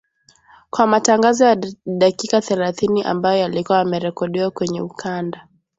kwa matangazo ya dakika thelathini ambayo yalikuwa yamerekodiwa kwenye ukanda